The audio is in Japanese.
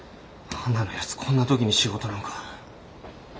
はなのやつこんな時に仕事なんか。